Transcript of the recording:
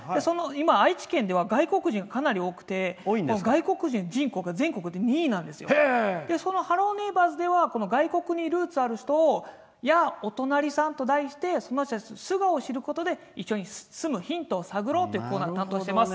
愛知県では外国人がかなり多くて外国人人口が全国で２位で「ハローネイバーズ」では外国にルーツがある人や「やあ、お隣さん」と題して素顔を知ることでヒントを探ろうというコーナーを担当してます。